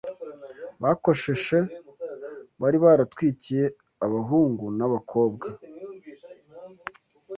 bakosheshe, bari baratwikiye, abahungu n’abakobwa